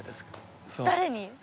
誰に？